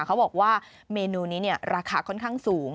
เขาบอกว่าเมนูนี้ราคาค่อนข้างสูง